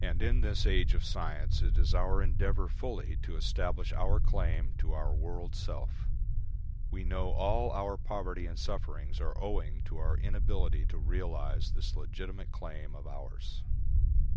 And in this age of science it is our endeavour fully to establish our claim to our world self. We know all our poverty and sufferings are owing to our inability to realise this legitimate claim of ours.